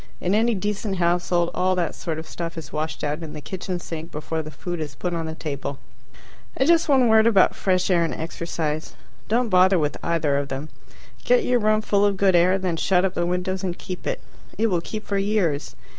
In any decent household all that sort of stuff is washed out in the kitchen sink before the food is put on the table. And just one word about fresh air and exercise. Don't bother with either of them. Get your room full of good air, then shut up the windows and keep it. It will keep for years.